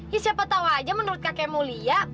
ya siapa tau aja menurut kakek mulia